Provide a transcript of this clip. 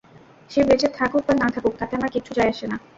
সে বেঁচে থাকুক বা না থাকুক তাতে আমার কিচ্ছু যায়-আসে না।